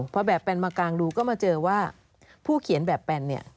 พอแบบแปนมากางดูก็มาเจอว่าผู้เขียนแบบแปนเนี่ย